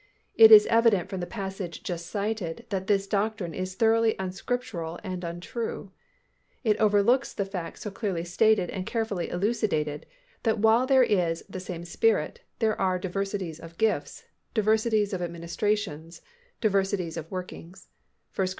It is evident from the passage just cited that this doctrine is thoroughly unscriptural and untrue. It overlooks the fact so clearly stated and carefully elucidated that while there is "the same Spirit" there are "diversities of gifts" "diversities of administrations" "diversities of workings" (1 Cor.